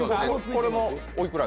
これもおいくら？